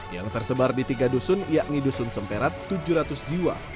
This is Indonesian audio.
yang tersebar di tiga dusun yakni dusun sempet tujuh ratus jiwa